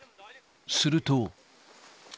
すると。